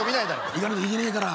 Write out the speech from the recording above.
行かねえといけねえから。